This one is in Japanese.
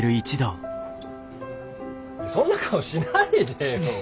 そんな顔しないでよ。